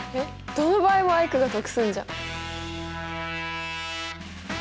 どの場合もアイクが得すんじゃん。